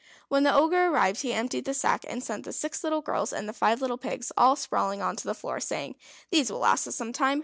When the Ogre arrived, he emptied the sack, and sent the six little girls and the five little pigs all sprawling on to the floor, saying: "These will last us some time.